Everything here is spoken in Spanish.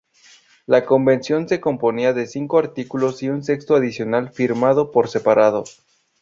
La convención se componía de cinco artículos y un sexto adicional firmado por separado.